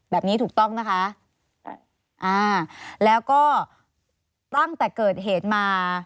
แบบนี้ถูกต้องนะคะอ่าแล้วก็ตั้งแต่เกิดเหตุมา